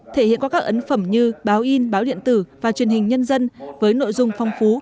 thể hiện qua các ấn phẩm như báo in báo điện tử và truyền hình nhân dân với nội dung phong phú